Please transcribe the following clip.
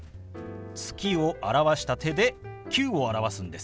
「月」を表した手で「９」を表すんです。